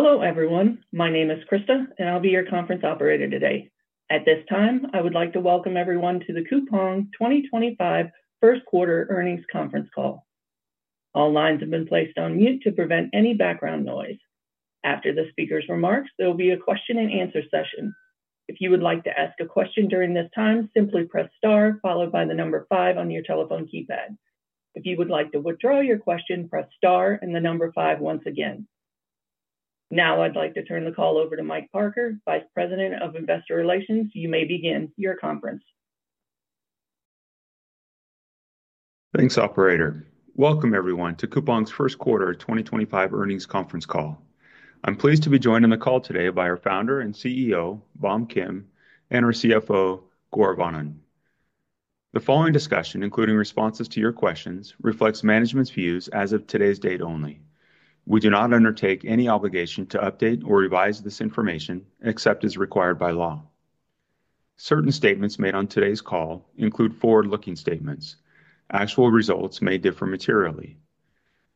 Hello, everyone. My name is Krista, and I'll be your conference operator today. At this time, I would like to welcome everyone to the Coupang 2025 First Quarter Earnings Conference Call. All lines have been placed on mute to prevent any background noise. After the speaker's remarks, there will be a question-and-answer session. If you would like to ask a question during this time, simply press star, followed by the number five on your telephone keypad. If you would like to withdraw your question, press star and the number five once again. Now, I'd like to turn the call over to Mike Parker, Vice President of Investor Relations. You may begin your conference. Thanks, Operator. Welcome, everyone, to Coupang's First Quarter 2025 Earnings Conference Call. I'm pleased to be joined on the call today by our Founder and CEO, Bom Kim, and our CFO, Gaurav Anand. The following discussion, including responses to your questions, reflects management's views as of today's date only. We do not undertake any obligation to update or revise this information except as required by law. Certain statements made on today's call include forward-looking statements. Actual results may differ materially.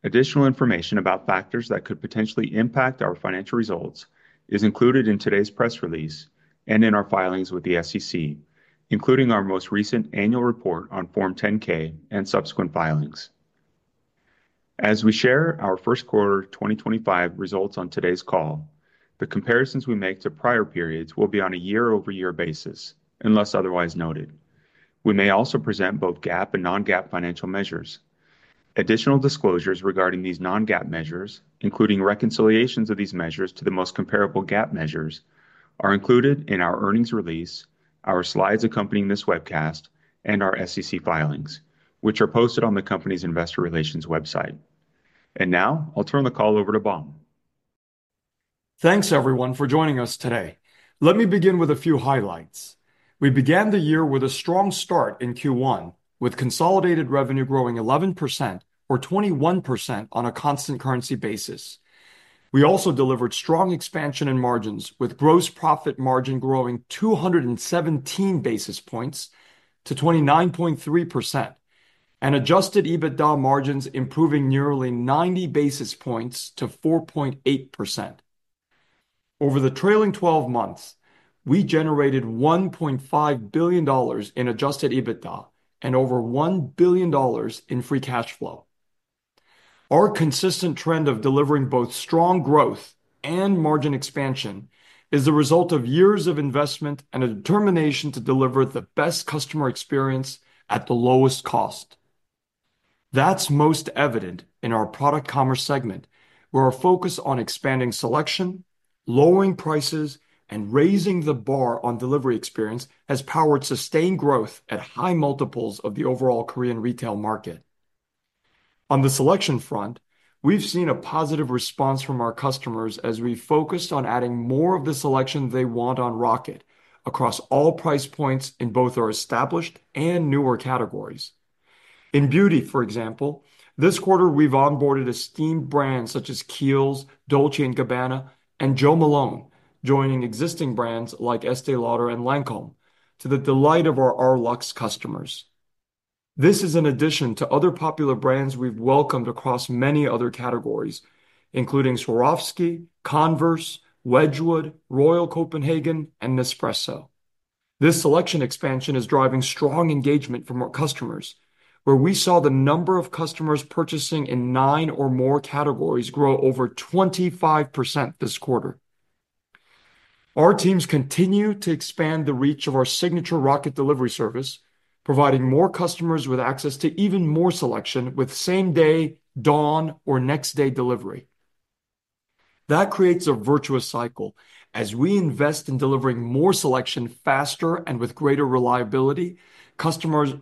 Additional information about factors that could potentially impact our financial results is included in today's press release and in our filings with the SEC, including our most recent annual report on Form 10-K and subsequent filings. As we share our First Quarter 2025 results on today's call, the comparisons we make to prior periods will be on a year-over-year basis, unless otherwise noted. We may also present both GAAP and non-GAAP financial measures. Additional disclosures regarding these non-GAAP measures, including reconciliations of these measures to the most comparable GAAP measures, are included in our earnings release, our slides accompanying this webcast, and our SEC filings, which are posted on the company's investor relations website. Now, I'll turn the call over to Bom. Thanks, everyone, for joining us today. Let me begin with a few highlights. We began the year with a strong start in Q1, with consolidated revenue growing 11% or 21% on a constant currency basis. We also delivered strong expansion in margins, with gross profit margin growing 217 basis points to 29.3% and adjusted EBITDA margins improving nearly 90 basis points to 4.8%. Over the trailing 12 months, we generated $1.5 billion in adjusted EBITDA and over $1 billion in free cash flow. Our consistent trend of delivering both strong growth and margin expansion is the result of years of investment and a determination to deliver the best customer experience at the lowest cost. That's most evident in our product commerce segment, where our focus on expanding selection, lowering prices, and raising the bar on delivery experience has powered sustained growth at high multiples of the overall Korean retail market. On the selection front, we've seen a positive response from our customers as we focused on adding more of the selection they want on Rocket across all price points in both our established and newer categories. In beauty, for example, this quarter we've onboarded esteemed brands such as Kiehl's, Dolce & Gabbana, and Jo Malone, joining existing brands like Estée Lauder and Lancôme to the delight of our R Luxe customers. This is in addition to other popular brands we've welcomed across many other categories, including Swarovski, Converse, Wedgwood, Royal Copenhagen, and Nespresso. This selection expansion is driving strong engagement from our customers, where we saw the number of customers purchasing in nine or more categories grow over 25% this quarter. Our teams continue to expand the reach of our signature Rocket delivery service, providing more customers with access to even more selection with same-day, dawn, or next-day delivery. That creates a virtuous cycle. As we invest in delivering more selection faster and with greater reliability, customers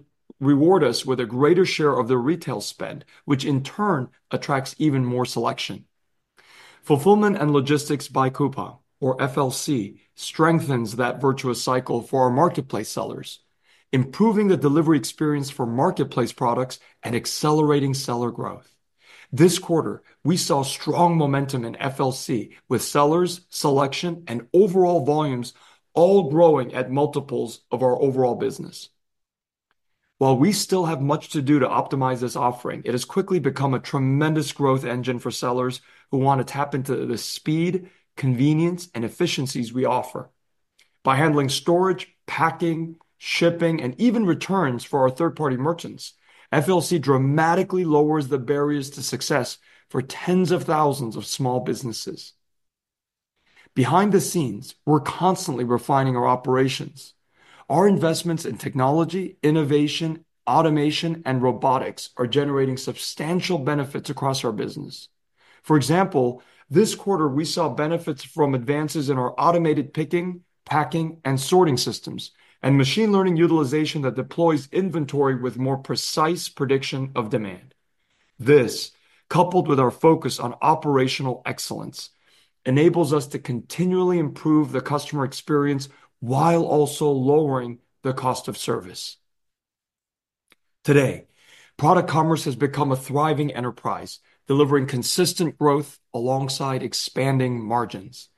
reward us with a greater share of their retail spend, which in turn attracts even more selection. Fulfillment and Logistics by Coupang, or FLC, strengthens that virtuous cycle for our marketplace sellers, improving the delivery experience for marketplace products and accelerating seller growth. This quarter, we saw strong momentum in FLC, with sellers, selection, and overall volumes all growing at multiples of our overall business. While we still have much to do to optimize this offering, it has quickly become a tremendous growth engine for sellers who want to tap into the speed, convenience, and efficiencies we offer. By handling storage, packing, shipping, and even returns for our third-party merchants, FLC dramatically lowers the barriers to success for tens of thousands of small businesses. Behind the scenes, we're constantly refining our operations. Our investments in technology, innovation, automation, and robotics are generating substantial benefits across our business. For example, this quarter we saw benefits from advances in our automated picking, packing, and sorting systems, and machine learning utilization that deploys inventory with more precise prediction of demand. This, coupled with our focus on operational excellence, enables us to continually improve the customer experience while also lowering the cost of service. Today, product commerce has become a thriving enterprise, delivering consistent growth alongside expanding margins.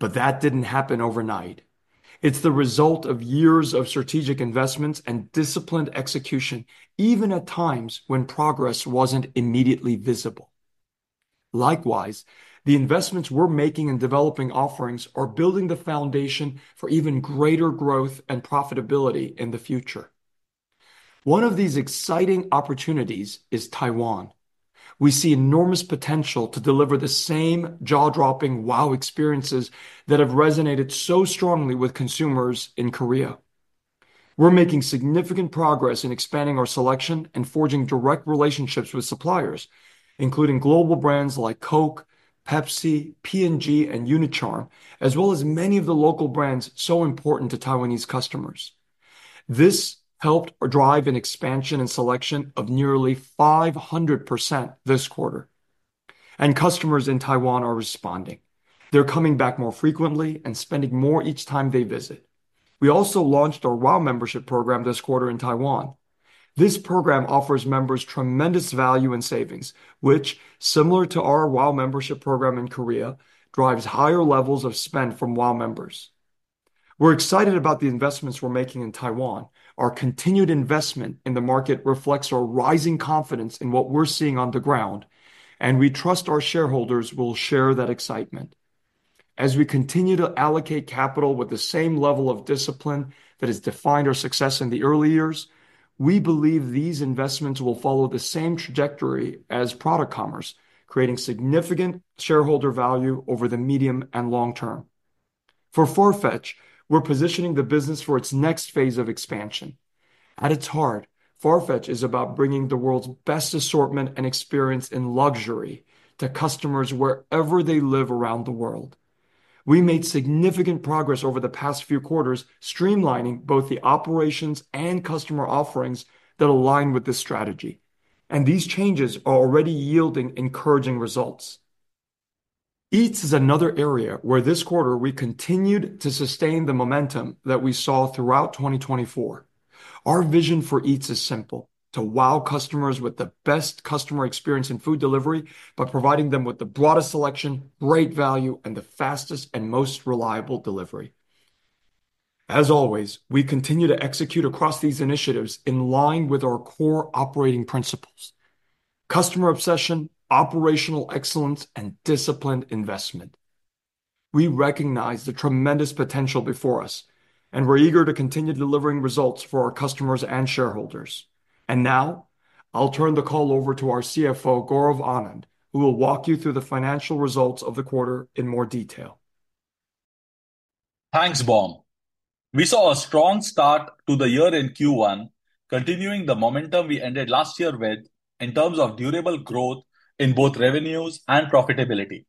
That did not happen overnight. It is the result of years of strategic investments and disciplined execution, even at times when progress was not immediately visible. Likewise, the investments we are making in developing offerings are building the foundation for even greater growth and profitability in the future. One of these exciting opportunities is Taiwan. We see enormous potential to deliver the same jaw-dropping wow experiences that have resonated so strongly with consumers in Korea. We are making significant progress in expanding our selection and forging direct relationships with suppliers, including global brands like Coca-Cola, Pepsi, P&G, and Unicharm, as well as many of the local brands so important to Taiwanese customers. This helped drive an expansion in selection of nearly 500% this quarter. Customers in Taiwan are responding. They are coming back more frequently and spending more each time they visit. We also launched our WOW membership program this quarter in Taiwan. This program offers members tremendous value and savings, which, similar to our WOW membership program in Korea, drives higher levels of spend from WOW members. We are excited about the investments we are making in Taiwan. Our continued investment in the market reflects our rising confidence in what we're seeing on the ground, and we trust our shareholders will share that excitement. As we continue to allocate capital with the same level of discipline that has defined our success in the early years, we believe these investments will follow the same trajectory as product commerce, creating significant shareholder value over the medium and long term. For Farfetch, we're positioning the business for its next phase of expansion. At its heart, Farfetch is about bringing the world's best assortment and experience in luxury to customers wherever they live around the world. We made significant progress over the past few quarters, streamlining both the operations and customer offerings that align with this strategy. These changes are already yielding encouraging results. Eats is another area where this quarter we continued to sustain the momentum that we saw throughout 2024. Our vision for Eats is simple: to wow customers with the best customer experience in food delivery by providing them with the broadest selection, great value, and the fastest and most reliable delivery. As always, we continue to execute across these initiatives in line with our core operating principles: customer obsession, operational excellence, and disciplined investment. We recognize the tremendous potential before us, and we're eager to continue delivering results for our customers and shareholders. Now, I'll turn the call over to our CFO, Gaurav Anand, who will walk you through the financial results of the quarter in more detail. Thanks, Bom. We saw a strong start to the year in Q1, continuing the momentum we ended last year with in terms of durable growth in both revenues and profitability.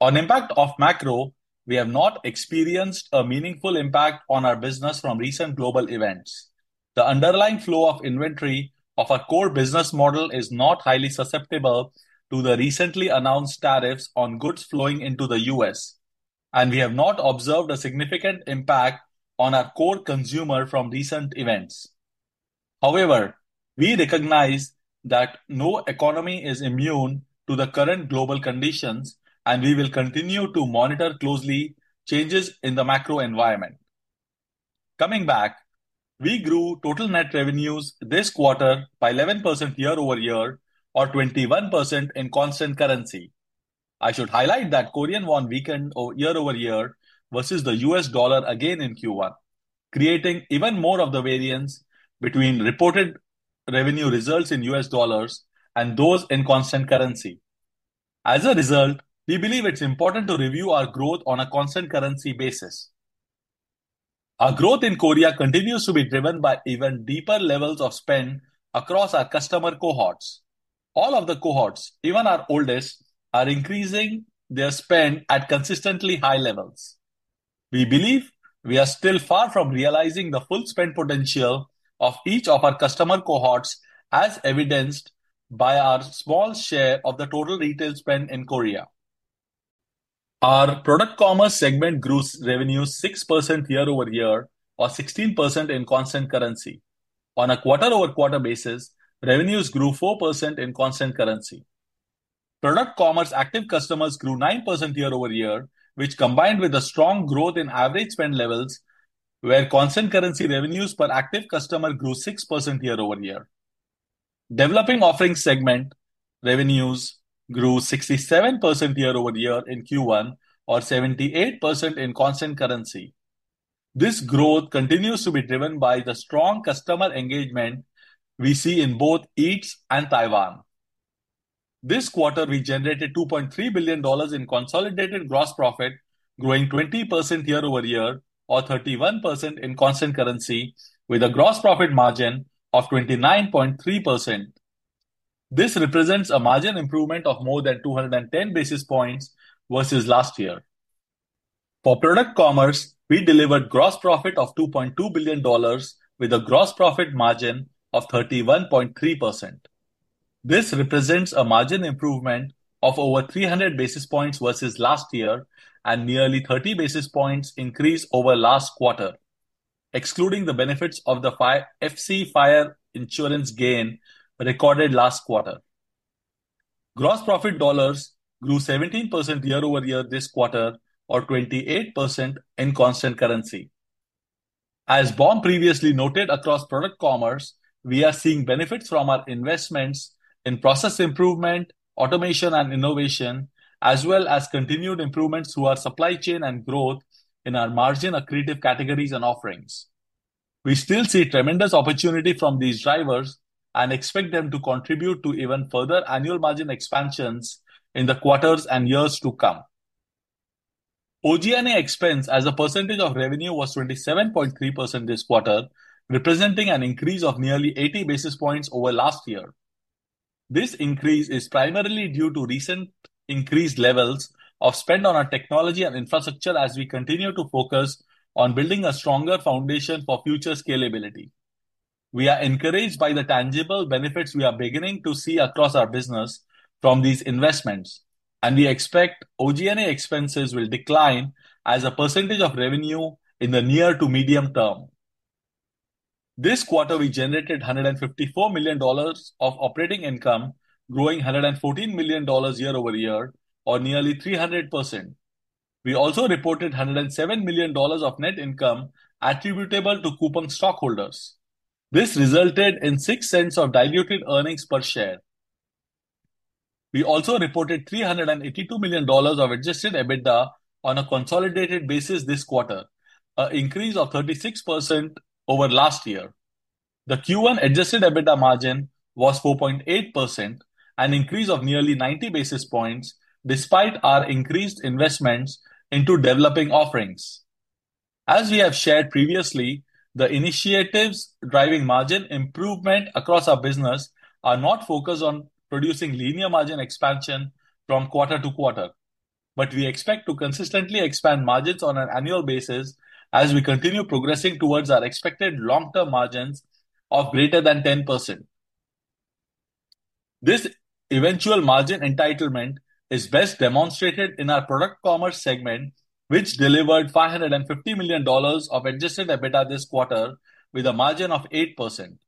On impact of macro, we have not experienced a meaningful impact on our business from recent global events. The underlying flow of inventory of our core business model is not highly susceptible to the recently announced tariffs on goods flowing into the U.S., and we have not observed a significant impact on our core consumer from recent events. However, we recognize that no economy is immune to the current global conditions, and we will continue to monitor closely changes in the macro environment. Coming back, we grew total net revenues this quarter by 11% year-over-year or 21% in constant currency. I should highlight that Korean won weakened year-over-year versus the US dollar again in Q1, creating even more of the variance between reported revenue results in US dollars and those in constant currency. As a result, we believe it's important to review our growth on a constant currency basis. Our growth in Korea continues to be driven by even deeper levels of spend across our customer cohorts. All of the cohorts, even our oldest, are increasing their spend at consistently high levels. We believe we are still far from realizing the full spend potential of each of our customer cohorts, as evidenced by our small share of the total retail spend in Korea. Our product commerce segment grew revenues 6% year-over-year or 16% in constant currency. On a quarter-over-quarter basis, revenues grew 4% in constant currency. Product commerce active customers grew 9% year-over-year, which combined with the strong growth in average spend levels, where constant currency revenues per active customer grew 6% year-over-year. Developing offering segment revenues grew 67% year-over-year in Q1 or 78% in constant currency. This growth continues to be driven by the strong customer engagement we see in both Eats and Taiwan. This quarter, we generated $2.3 billion in consolidated gross profit, growing 20% year-over-year or 31% in constant currency, with a gross profit margin of 29.3%. This represents a margin improvement of more than 210 basis points versus last year. For product commerce, we delivered gross profit of $2.2 billion, with a gross profit margin of 31.3%. This represents a margin improvement of over 300 basis points versus last year and nearly 30 basis points increase over last quarter, excluding the benefits of the FC Fire insurance gain recorded last quarter. Gross profit dollars grew 17% year-over-year this quarter or 28% in constant currency. As Bom previously noted, across product commerce, we are seeing benefits from our investments in process improvement, automation, and innovation, as well as continued improvements through our supply chain and growth in our margin accretive categories and offerings. We still see tremendous opportunity from these drivers and expect them to contribute to even further annual margin expansions in the quarters and years to come. OG&A expense as a percentage of revenue was 27.3% this quarter, representing an increase of nearly 80 basis points over last year. This increase is primarily due to recent increased levels of spend on our technology and infrastructure as we continue to focus on building a stronger foundation for future scalability. We are encouraged by the tangible benefits we are beginning to see across our business from these investments, and we expect OG&A expenses will decline as a percentage of revenue in the near to medium term. This quarter, we generated $154 million of operating income, growing $114 million year-over-year or nearly 300%. We also reported $107 million of net income attributable to Coupang stockholders. This resulted in $0.06 of diluted earnings per share. We also reported $382 million of adjusted EBITDA on a consolidated basis this quarter, an increase of 36% over last year. The Q1 adjusted EBITDA margin was 4.8%, an increase of nearly 90 basis points despite our increased investments into developing offerings. As we have shared previously, the initiatives driving margin improvement across our business are not focused on producing linear margin expansion from quarter to quarter, but we expect to consistently expand margins on an annual basis as we continue progressing towards our expected long-term margins of greater than 10%. This eventual margin entitlement is best demonstrated in our product commerce segment, which delivered $550 million of adjusted EBITDA this quarter with a margin of 8%.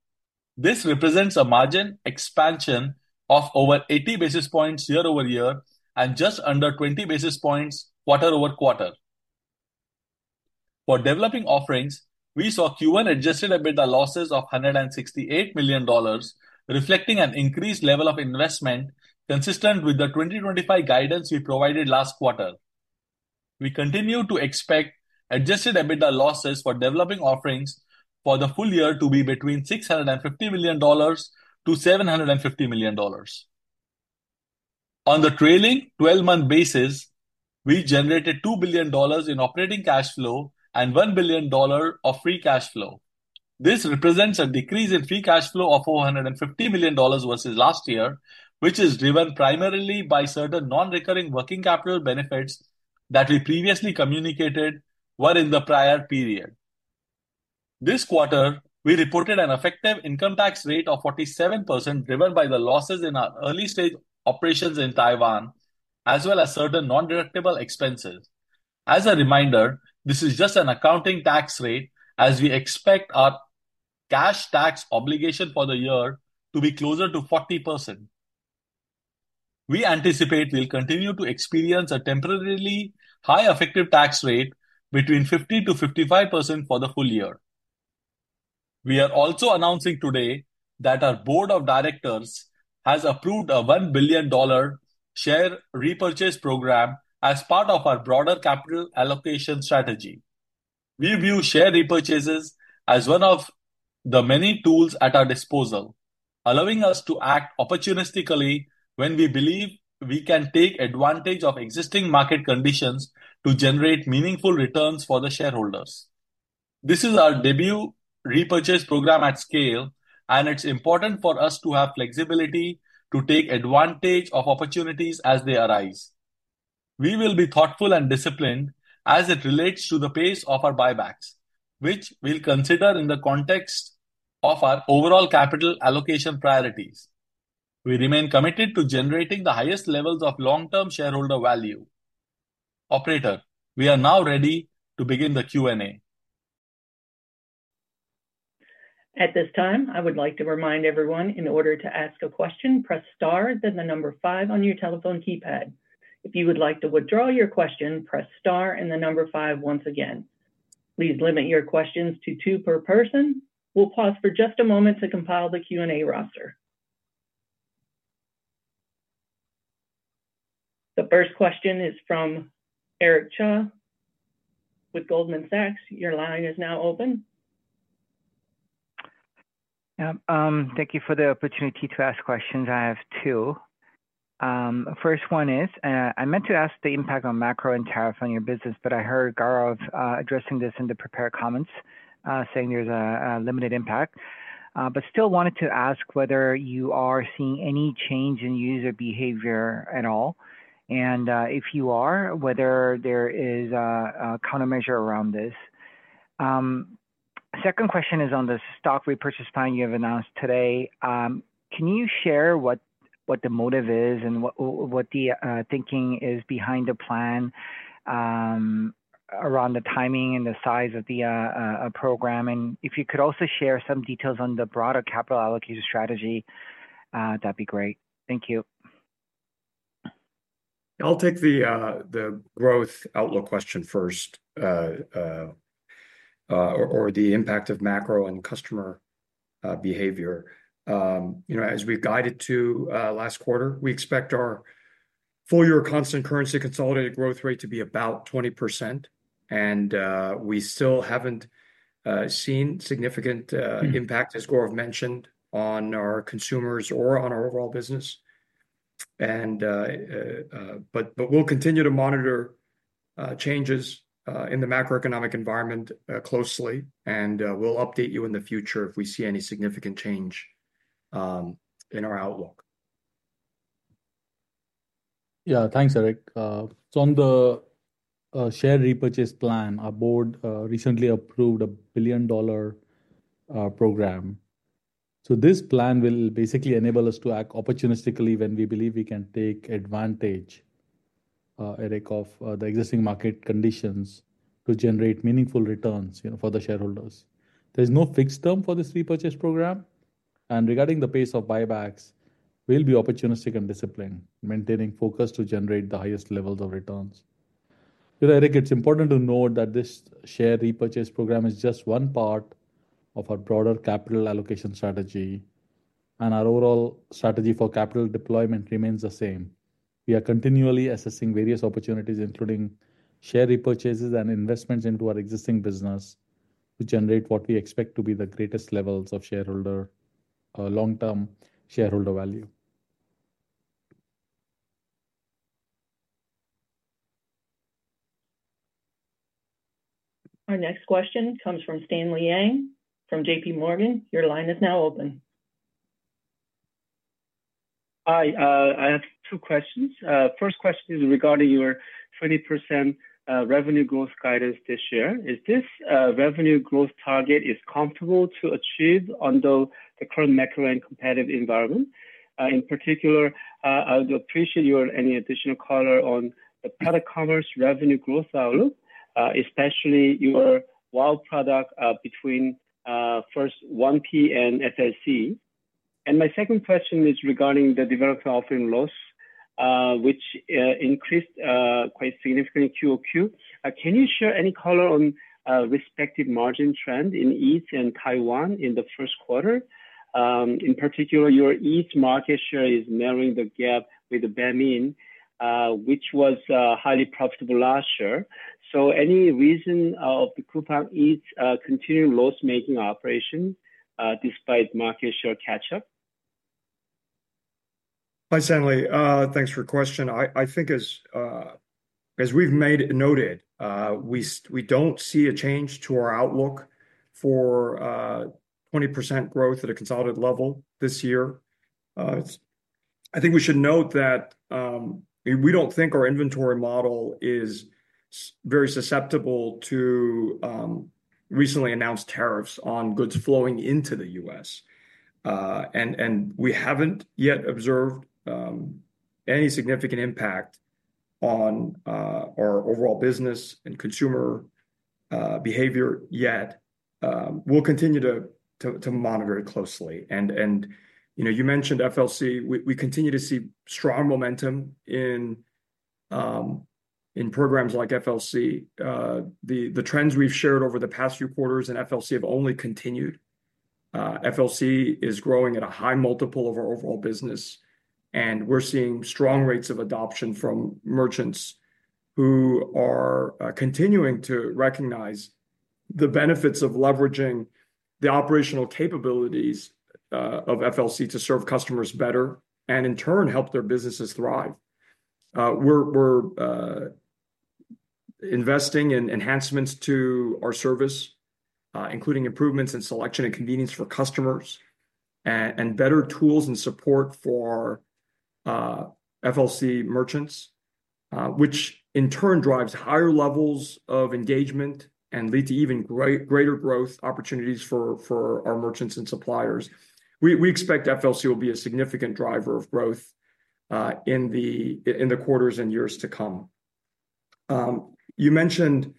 This represents a margin expansion of over 80 basis points year-over-year and just under 20 basis points quarter-over-quarter. For developing offerings, we saw Q1 adjusted EBITDA losses of $168 million, reflecting an increased level of investment consistent with the 2025 guidance we provided last quarter. We continue to expect adjusted EBITDA losses for developing offerings for the full year to be between $650 million-$750 million. On the trailing 12-month basis, we generated $2 billion in operating cash flow and $1 billion of free cash flow. This represents a decrease in free cash flow of $450 million versus last year, which is driven primarily by certain non-recurring working capital benefits that we previously communicated were in the prior period. This quarter, we reported an effective income tax rate of 47% driven by the losses in our early-stage operations in Taiwan, as well as certain non-deductible expenses. As a reminder, this is just an accounting tax rate, as we expect our cash tax obligation for the year to be closer to 40%. We anticipate we'll continue to experience a temporarily high effective tax rate between 50%-55% for the full year. We are also announcing today that our Board of Directors has approved a $1 billion share repurchase program as part of our broader capital allocation strategy. We view share repurchases as one of the many tools at our disposal, allowing us to act opportunistically when we believe we can take advantage of existing market conditions to generate meaningful returns for the shareholders. This is our debut repurchase program at scale, and it's important for us to have flexibility to take advantage of opportunities as they arise. We will be thoughtful and disciplined as it relates to the pace of our buybacks, which we'll consider in the context of our overall capital allocation priorities. We remain committed to generating the highest levels of long-term shareholder value. Operator, we are now ready to begin the Q&A. At this time, I would like to remind everyone, in order to ask a question, press star then the number five on your telephone keypad. If you would like to withdraw your question, press star and the number five once again. Please limit your questions to two per person. We'll pause for just a moment to compile the Q&A roster. The first question is from Eric Cha with Goldman Sachs. Your line is now open. Thank you for the opportunity to ask questions. I have two. The first one is, I meant to ask the impact on macro and tariff on your business, but I heard Gaurav addressing this in the prepared comments saying there's a limited impact. I still wanted to ask whether you are seeing any change in user behavior at all, and if you are, whether there is a countermeasure around this. Second question is on the stock-repurchase plan you have announced today. Can you share what the motive is and what the thinking is behind the plan around the timing and the size of the program? If you could also share some details on the broader capital-allocation strategy, that'd be great. Thank you. I'll take the growth outlook question first, or the impact of macro and customer behavior. As we've guided to last quarter, we expect our full-year constant currency consolidated growth rate to be about 20%, and we still haven't seen significant impact, as Gaurav mentioned, on our consumers or on our overall business. We will continue to monitor changes in the macroeconomic environment closely, and we'll update you in the future if we see any significant change in our outlook. Yeah, thanks, Eric. On the share repurchase plan, our board recently approved a $1 billion program. This plan will basically enable us to act opportunistically when we believe we can take advantage, Eric, of the existing market conditions to generate meaningful returns for the shareholders. There is no fixed term for this repurchase program, and regarding the pace of buybacks, we will be opportunistic and disciplined, maintaining focus to generate the highest levels of returns. Eric, it is important to note that this share repurchase program is just one part of our broader capital allocation strategy, and our overall strategy for capital deployment remains the same. We are continually assessing various opportunities, including share repurchases and investments into our existing business, to generate what we expect to be the greatest levels of long-term shareholder value. Our next question comes from Stanley Yang from JPMorgan. Your line is now open. Hi, I have two questions. First question is regarding your 20% revenue growth guidance this year. Is this revenue growth target comfortable to achieve under the current macro and competitive environment? In particular, I would appreciate your any additional color on the product commerce revenue growth outlook, especially your wild product between first 1P and FLC. My second question is regarding the developed offering loss, which increased quite significantly in QoQ. Can you share any color on respective margin trend in Eats and Taiwan in the first quarter? In particular, your Eats market share is narrowing the gap with Baemin, which was highly profitable last year. Any reason of the Coupang Eats continuing loss-making operation despite market share catch-up? Hi, Stanley. Thanks for the question. I think as we've noted, we don't see a change to our outlook for 20% growth at a consolidated level this year. I think we should note that we don't think our inventory model is very susceptible to recently announced tariffs on goods flowing into the U.S. We haven't yet observed any significant impact on our overall business and consumer behavior yet. We'll continue to monitor it closely. You mentioned FLC. We continue to see strong momentum in programs like FLC. The trends we've shared over the past few quarters in FLC have only continued. FLC is growing at a high multiple of our overall business, and we're seeing strong rates of adoption from merchants who are continuing to recognize the benefits of leveraging the operational capabilities of FLC to serve customers better and, in turn, help their businesses thrive. We're investing in enhancements to our service, including improvements in selection and convenience for customers and better tools and support for FLC merchants, which in turn drives higher levels of engagement and lead to even greater growth opportunities for our merchants and suppliers. We expect FLC will be a significant driver of growth in the quarters and years to come. You mentioned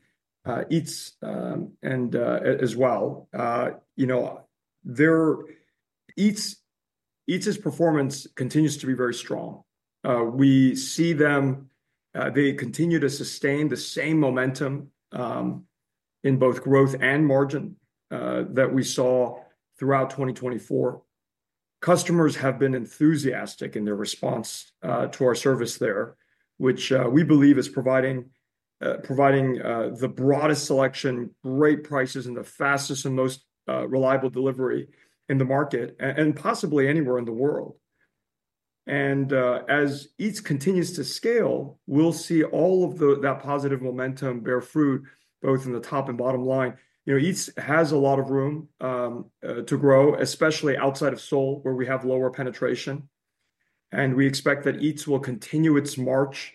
Eats as well. Eats' performance continues to be very strong. We see them continue to sustain the same momentum in both growth and margin that we saw throughout 2024. Customers have been enthusiastic in their response to our service there, which we believe is providing the broadest selection, great prices, and the fastest and most reliable delivery in the market and possibly anywhere in the world. As Eats continues to scale, we'll see all of that positive momentum bear fruit both in the top and bottom line. Eats has a lot of room to grow, especially outside of Seoul, where we have lower penetration. We expect that Eats will continue its march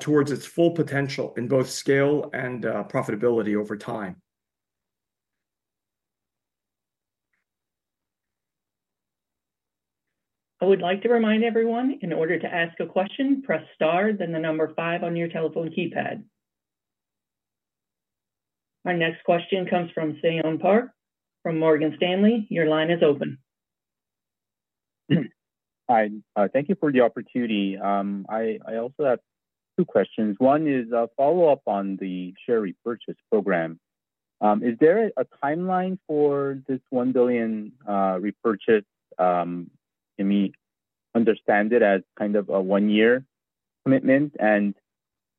towards its full potential in both scale and profitability over time. I would like to remind everyone, in order to ask a question, press star then the number five on your telephone keypad. Our next question comes from Seyon Park from Morgan Stanley. Your line is open. Hi. Thank you for the opportunity. I also have two questions. One is a follow-up on the share repurchase program. Is there a timeline for this $1 billion repurchase? Can we understand it as kind of a one-year commitment?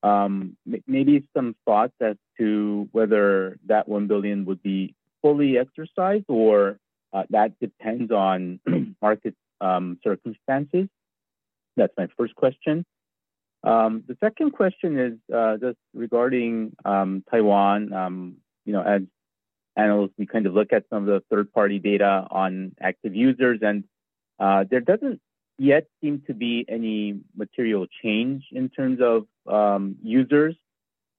Maybe some thoughts as to whether that $1 billion would be fully exercised or that depends on market circumstances? That is my first question. The second question is just regarding Taiwan. As analysts, we kind of look at some of the third-party data on active users, and there does not yet seem to be any material change in terms of users.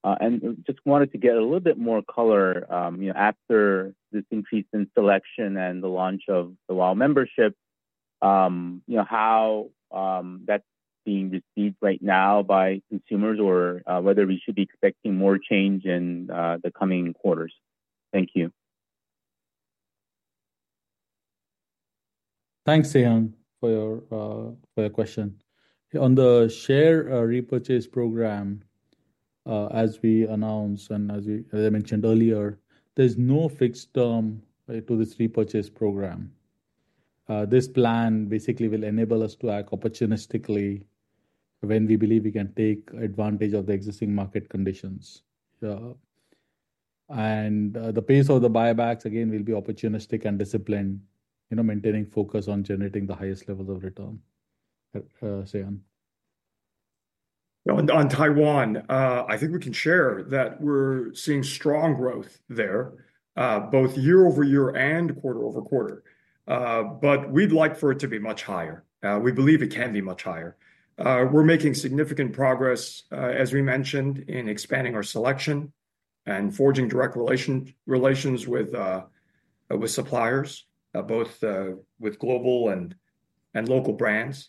I just wanted to get a little bit more color after this increase in selection and the launch of the WOW membership, how that is being received right now by consumers or whether we should be expecting more change in the coming quarters. Thank you. Thanks, Seyon, for your question. On the share repurchase program, as we announced and as I mentioned earlier, there is no fixed term to this repurchase program. This plan basically will enable us to act opportunistically when we believe we can take advantage of the existing market conditions. The pace of the buybacks, again, will be opportunistic and disciplined, maintaining focus on generating the highest levels of return. Seyon. On Taiwan, I think we can share that we're seeing strong growth there, both year over year and quarter over quarter. We'd like for it to be much higher. We believe it can be much higher. We're making significant progress, as we mentioned, in expanding our selection and forging direct relations with suppliers, both with global and local brands.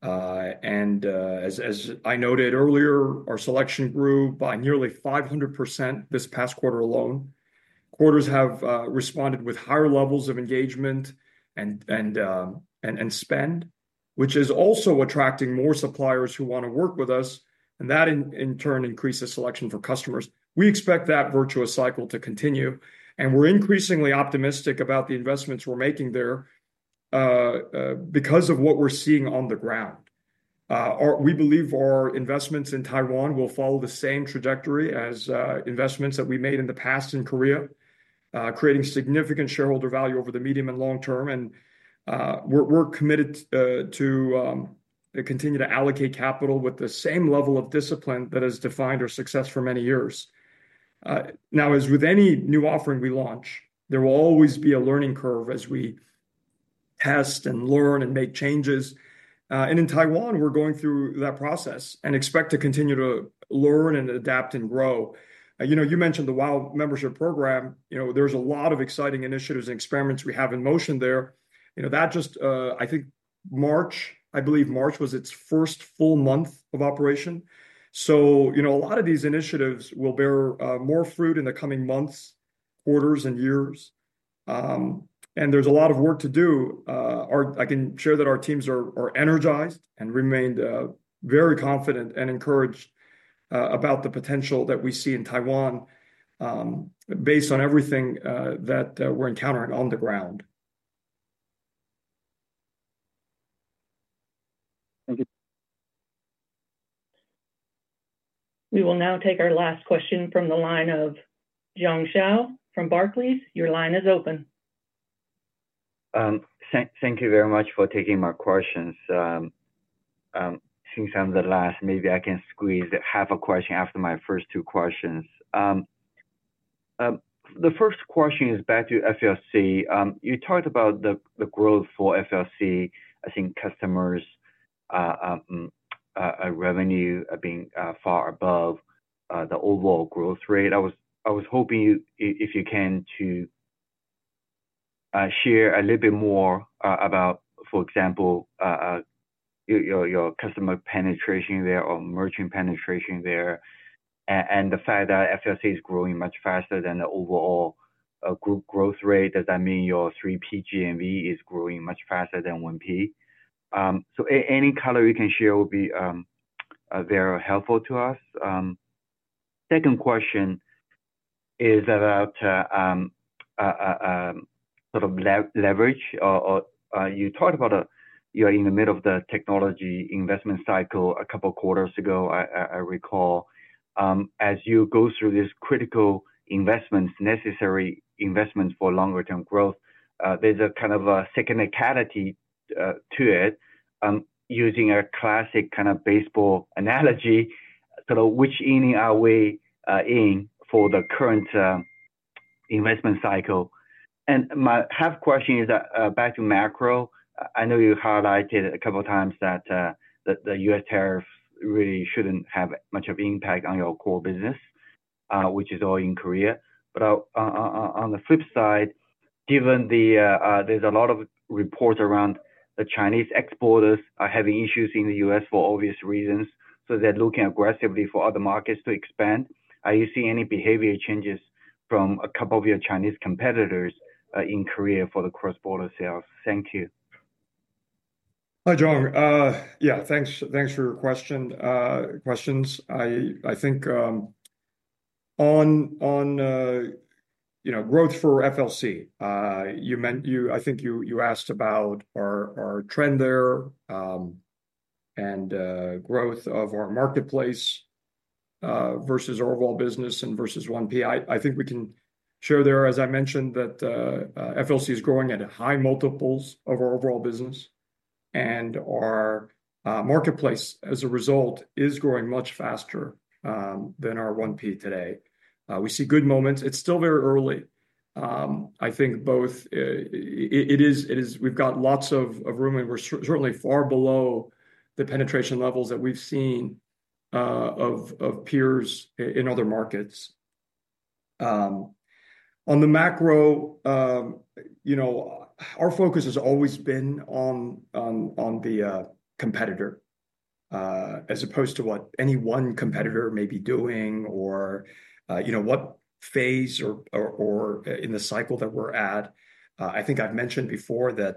As I noted earlier, our selection grew by nearly 500% this past quarter alone. Customers have responded with higher levels of engagement and spend, which is also attracting more suppliers who want to work with us, and that in turn increases selection for customers. We expect that virtuous cycle to continue, and we're increasingly optimistic about the investments we're making there because of what we're seeing on the ground. We believe our investments in Taiwan will follow the same trajectory as investments that we made in the past in Korea, creating significant shareholder value over the medium and long term. We are committed to continue to allocate capital with the same level of discipline that has defined our success for many years. As with any new offering we launch, there will always be a learning curve as we test and learn and make changes. In Taiwan, we are going through that process and expect to continue to learn and adapt and grow. You mentioned the WOW membership program. There are a lot of exciting initiatives and experiments we have in motion there. That just, I think, March, I believe March was its first full month of operation. A lot of these initiatives will bear more fruit in the coming months, quarters, and years. There is a lot of work to do. I can share that our teams are energized and remain very confident and encouraged about the potential that we see in Taiwan based on everything that we are encountering on the ground. Thank you. We will now take our last question from the line of Jiang Xiao from Barclays. Your line is open. Thank you very much for taking my questions. Since I'm the last, maybe I can squeeze half a question after my first two questions. The first question is back to FLC. You talked about the growth for FLC. I think customers' revenue being far above the overall growth rate. I was hoping, if you can, to share a little bit more about, for example, your customer penetration there or merchant penetration there, and the fact that FLC is growing much faster than the overall group growth rate. Does that mean your 3P GMV is growing much faster than 1P? Any color you can share would be very helpful to us. Second question is about sort of leverage. You talked about you're in the middle of the technology-investment cycle a couple of quarters ago, I recall. As you go through these critical investments, necessary investments for longer-term growth, there is a kind of secondary clarity to it. Using a classic kind of baseball analogy, sort of which inning are we in for the current investment cycle? My half question is back to macro. I know you highlighted a couple of times that the U.S. tariffs really should not have much of an impact on your core business, which is all in Korea. On the flip side, given there is a lot of reports around the Chinese exporters having issues in the U.S. for obvious reasons, they are looking aggressively for other markets to expand. Are you seeing any behavior changes from a couple of your Chinese competitors in Korea for the cross-border sales? Thank you. Hi, Jiang. Yeah, thanks for your questions. I think on growth for FLC, I think you asked about our trend there and growth of our marketplace versus our overall business and versus 1P. I think we can share there, as I mentioned, that FLC is growing at high multiples of our overall business, and our marketplace, as a result, is growing much faster than our 1P today. We see good moments. It's still very early. I think both it is we've got lots of room, and we're certainly far below the penetration levels that we've seen of peers in other markets. On the macro, our focus has always been on the competitor as opposed to what any one competitor may be doing or what phase or in the cycle that we're at. I think I've mentioned before that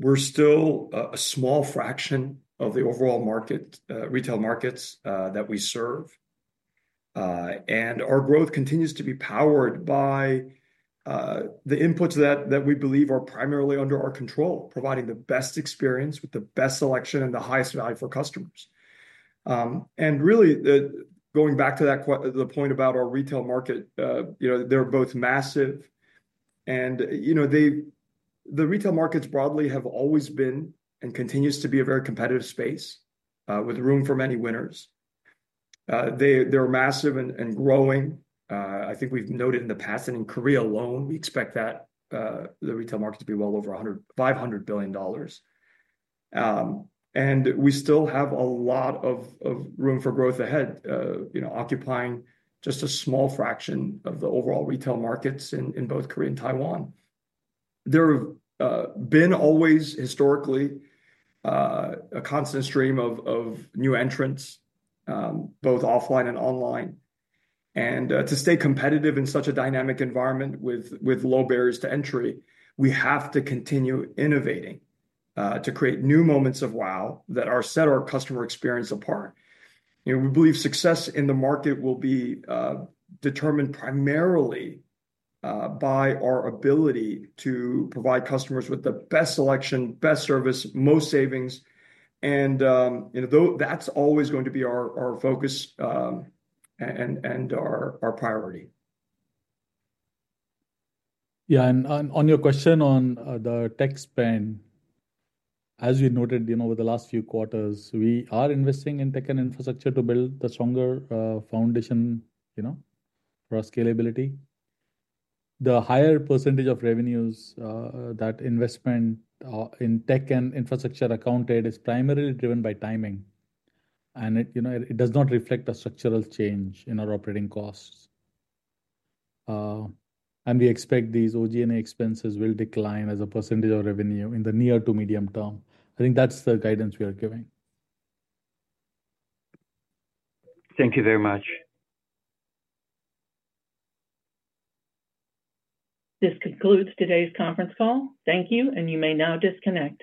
we're still a small fraction of the overall retail markets that we serve. Our growth continues to be powered by the inputs that we believe are primarily under our control, providing the best experience with the best selection and the highest value for customers. Really, going back to the point about our retail market, they're both massive. The retail markets broadly have always been and continue to be a very competitive space with room for many winners. They're massive and growing. I think we've noted in the past, and in Korea alone, we expect that the retail market to be well over $500 billion. We still have a lot of room for growth ahead, occupying just a small fraction of the overall retail markets in both Korea and Taiwan. There have been always, historically, a constant stream of new entrants, both offline and online. To stay competitive in such a dynamic environment with low barriers to entry, we have to continue innovating to create new moments of wow that set our customer experience apart. We believe success in the market will be determined primarily by our ability to provide customers with the best selection, best service, most savings. That is always going to be our focus and our priority. Yeah. On your question on the tech spend, as we noted over the last few quarters, we are investing in tech and infrastructure to build the stronger foundation for our scalability. The higher percentage of revenues that investment in tech and infrastructure accounted is primarily driven by timing. It does not reflect a structural change in our operating costs. We expect these OG&A expenses will decline as a percentage of revenue in the near to medium term. I think that's the guidance we are giving. Thank you very much. This concludes today's conference call. Thank you, and you may now disconnect.